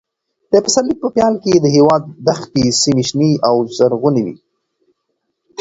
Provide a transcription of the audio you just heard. د پسرلي په پیل کې د هېواد دښتي سیمې شنې او زرغونې کېږي.